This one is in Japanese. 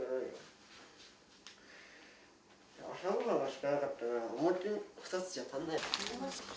朝ご飯が少なかったらお餅２つじゃ足んない。